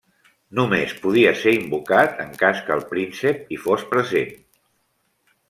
Només podia ser invocat en cas que el príncep hi fos present.